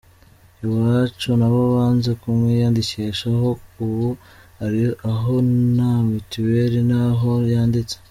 Iwacu nabo banze kumwiyandikishaho, ubu ari aho nta mituweli nta n’aho yanditse.